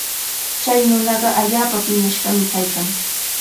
Chay nunaqa allaapa piñashqami kaykan.